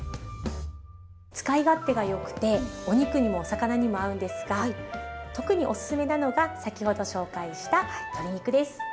使い勝手がよくてお肉にもお魚にも合うんですが特におすすめなのが先ほど紹介した鶏肉です。